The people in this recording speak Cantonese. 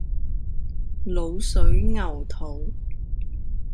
滷水牛肚